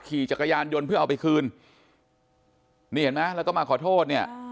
ขี่จักรยานยนต์เพื่อเอาไปคืนแล้วก็มาขอโทษ